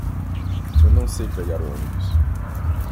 Eu não sei pegar o ônibus.